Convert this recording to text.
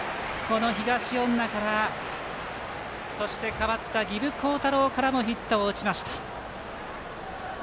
東恩納からそして代わった儀部皓太朗からもヒットを打ちました。